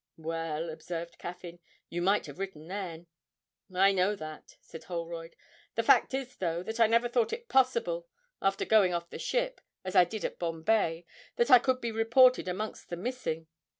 'Well,' observed Caffyn, 'you might have written then.' 'I know that,' said Holroyd: 'the fact is, though, that I never thought it possible, after going off the ship, as I did at Bombay, that I could be reported amongst the missing.